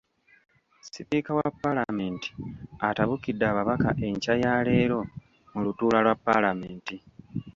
Sipiika wa Palamenti, atabukidde ababaka enkya ya leero mu lutuula lwa Paalamenti.